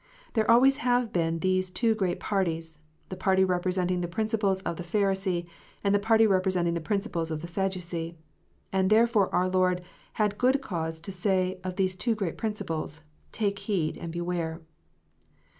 There always have been these two great parties, the party representing the prin ciples of the Pharisee, and the party representing the principles of the Sadducee. And therefore our Lord had good cause to say of these two great principles, " Take heed and beware."